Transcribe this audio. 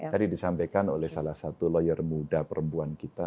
tadi disampaikan oleh salah satu lawyer muda perempuan kita